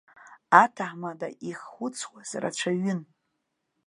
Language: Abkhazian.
Аҭаҳмада иххәыцуаз рацәаҩын.